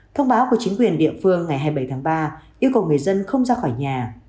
thông báo của chính quyền địa phương ngày hai mươi bảy tháng ba yêu cầu người dân không ra khỏi nhà